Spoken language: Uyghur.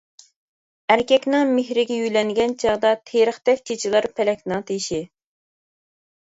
ئەركەكنىڭ مېھرىگە يۆلەنگەن چاغدا تېرىقتەك چېچىلار پەلەكنىڭ تېشى!